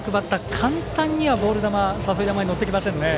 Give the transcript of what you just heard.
簡単にはボール球、誘い球には乗ってきませんね。